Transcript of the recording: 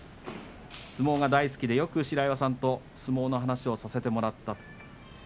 相撲が大好きで、よく白岩さんと相撲の話をさせてもらった。